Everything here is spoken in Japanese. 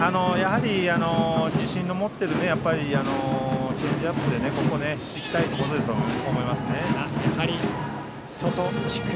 自身の持っているチェンジアップでここはいきたいところだと思いますね。